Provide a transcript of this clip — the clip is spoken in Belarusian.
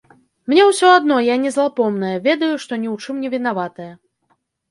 Мне ўсё адно, я не злапомная, ведаю, што ні ў чым не вінаватая.